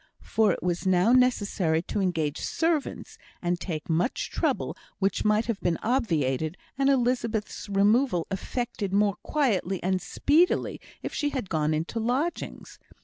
For it was now necessary to engage servants, and take much trouble, which might have been obviated, and Elizabeth's removal effected more quietly and speedily, if she had gone into lodgings.